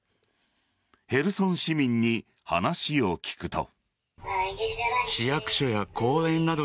ヘルソン市民に話を聞くと。